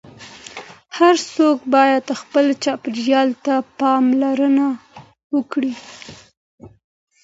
هر څوک باید خپل چاپیریال ته پاملرنه وکړي.